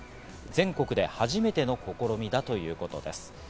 全国で初めての試みだということです。